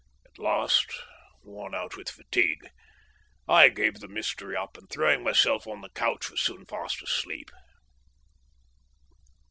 At last, worn out with fatigue, I gave the mystery up, and throwing myself on the couch was soon fast asleep.